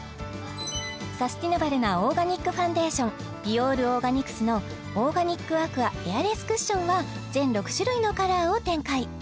サスティナブルなオーガニックファンデーションｂｉｏｒｏｒｇａｎｉｃｓのオーガニックアクアエアレスクッションは全６種類のカラーを展開